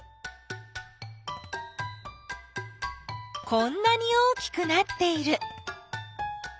こんなに大きくなっている。